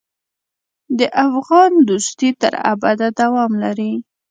د افغان دوستي تر ابده دوام لري.